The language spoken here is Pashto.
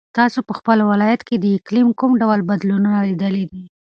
تاسو په خپل ولایت کې د اقلیم کوم ډول بدلونونه لیدلي دي؟